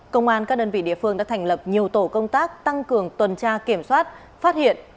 công an các đơn vị địa phương đã thành lập nhiều tổ công tác tăng cường tuần tra kiểm soát phát hiện